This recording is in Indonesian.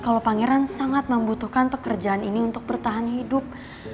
kalau pangeran sangat membutuhkan pekerjaan ini untuk bertahan hidup